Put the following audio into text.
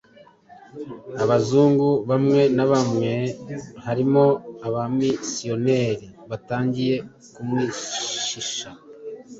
Abazungu bamwe na bamwe, harimo Abamisiyoneri, batangiye kumwishisha.